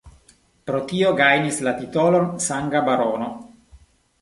Pro tio gajnis la titolon Sanga Barono.